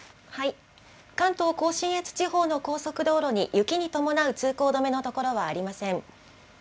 関東甲信越地方の高速道路に雪に伴う通行止めの所はありません。